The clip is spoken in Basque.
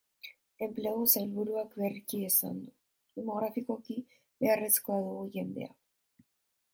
Enplegu sailburuak berriki esan du, demografikoki beharrezko dugu jende hau.